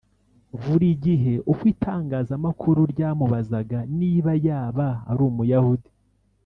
Buri gihe uko itangazamakuru ryamubazaga niba yaba ari Umuyahudi